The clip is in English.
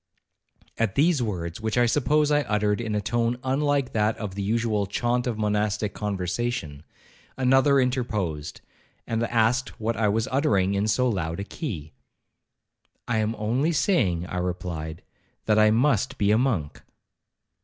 At these words, which I suppose I uttered in a tone unlike that of the usual chaunt of monastic conversation, another interposed, and asked what I was uttering in so loud a key? 'I am only saying,' I replied, 'that I must be a monk.'